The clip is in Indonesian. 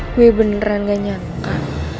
gue beneran gak nyata